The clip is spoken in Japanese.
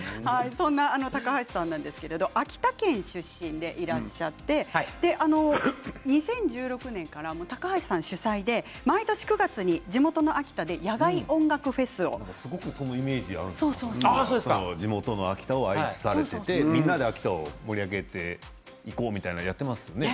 そんな高橋さんですが秋田県出身でいらっしゃって２０１６年から高橋さん主催で毎年９月に地元のすごくそのイメージがあって地元の秋田でみんなで秋田を盛り上げていこうみたいなことをやっていますよね。